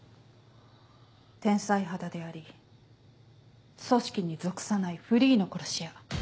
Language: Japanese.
天才肌であり組織に属さないフリーの殺し屋。